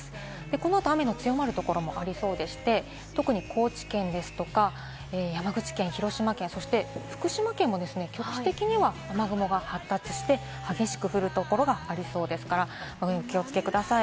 このあと雨の強まるところもありそうでして、特に高知県、山口県、広島県、福島県も局地的には雨雲が発達して、激しく降るところがありそうですから、ご注意ください。